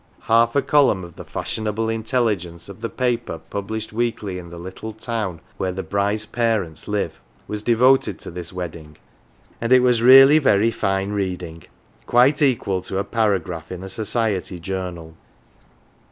Half a column of the " Fashionable Intelligence "" of the paper published weekly in the little town where the bride's parents live was devoted to this wedding; and it was really very fine reading, quite equal to a paragraph in a Society journal.